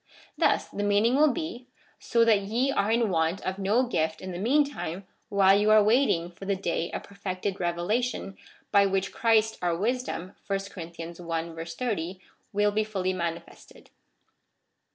Thus the meaning will be, " So that ye are in Avant of no gift in the meantime while you are waiting for the day of perfected revelation, by which Christ our wisdom (verse 30th) will be fully manifested."